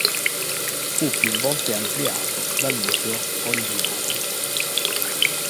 Fu più volte ampliato dal nucleo originario.